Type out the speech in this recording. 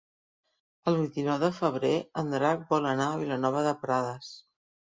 El vint-i-nou de febrer en Drac vol anar a Vilanova de Prades.